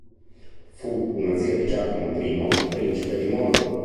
Fu una zia di Giacomo I, Principe di Monaco.